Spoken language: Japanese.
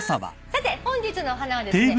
さて本日のお花はですね